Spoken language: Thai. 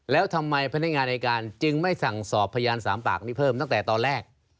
แล้วทำไมพนักงานอายการจึงไม่สั่งสอบพยาน๓ปากนี้เพิ่มตั้งแต่ตอนแรก